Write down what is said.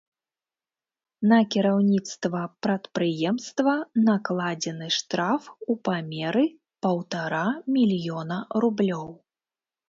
На кіраўніцтва прадпрыемства накладзены штраф у памеры паўтара мільёна рублёў.